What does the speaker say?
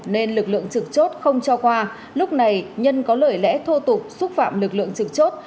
nên lực lượng trực chốt không cho khoa lúc này nhân có lời lẽ thô tục xúc phạm lực lượng trực chốt